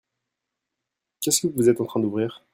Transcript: Qu'est-ce que vous êtes en train d'ouvrir ?